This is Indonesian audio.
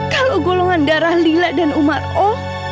kalau golongan darah lila dan umar oh